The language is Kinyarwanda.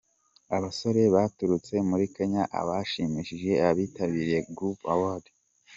Abasore baturutse muri Kenya bashimishije abitabiriye Groove Awards.